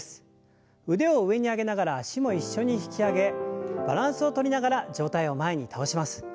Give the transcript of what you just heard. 腕を上に上げながら脚も一緒に引き上げバランスをとりながら上体を前に倒します。